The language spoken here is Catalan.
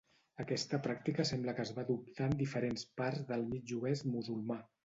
Aquesta pràctica sembla que es va adoptar en diferents parts del mig oest musulmà.